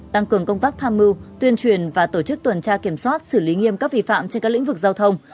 tăng cường công tác tham mưu tuyên truyền và tổ chức tuần tra kiểm soát xử lý nghiêm các vi phạm trên các lĩnh vực giao thông